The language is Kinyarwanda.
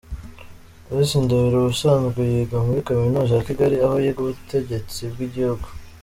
Miss Ndahiro ubusanzwe yiga muri kaminuza ya Kigali aho yiga 'Ubutegetsi bw'igihugu'.